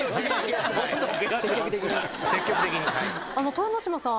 豊ノ島さん